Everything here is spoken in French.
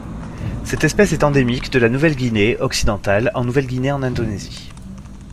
Cette espèce est endémique de Nouvelle-Guinée occidentale en Nouvelle-Guinée en Indonésie.